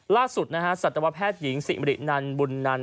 ล่าสุดนะฮะสัตวแพทย์หญิงสิมรินันบุญนัน